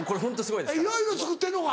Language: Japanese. いろいろ作ってるのか。